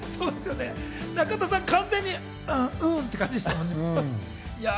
中田さん、完全に「うん」みたいな感じでしたよね。